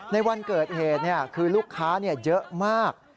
ในวันเกิดเหตุคือลูกค้าเยอะมาก